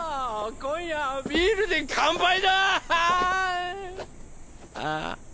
今夜はビールで乾杯だあ？